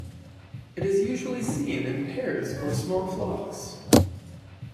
It is usually seen in pairs or small flocks.